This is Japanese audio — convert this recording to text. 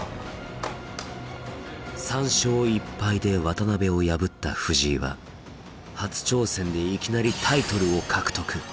３勝１敗で渡辺を破った藤井は初挑戦でいきなりタイトルを獲得。